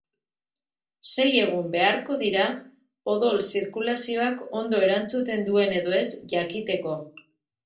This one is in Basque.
Sei egun beharko dira odol zirkulazioak ondo erantzuten duen edo ez jakiteko.